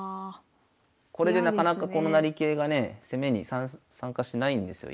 これでなかなかこの成桂がね攻めに参加しないんですよ